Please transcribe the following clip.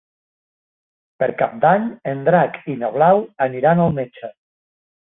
Per Cap d'Any en Drac i na Blau aniran al metge.